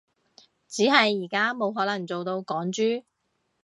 只係而家冇可能做到港豬